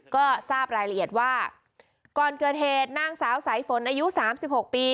ก็ทราบรายละเอียดว่าก่อนเกิดเหตุนางสาวสายฝนอายุ๓๖ปี